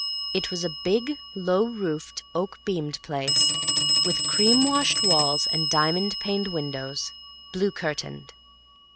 It was a big low roofed, oak beamed place, with cream washed walls and diamond paned windows, blue curtained.